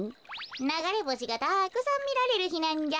ながれぼしがたくさんみられるひなんじゃ。